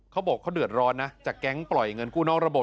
เขาบอกเขาเดือดร้อนนะจากแก๊งปล่อยเงินกู้นอกระบบ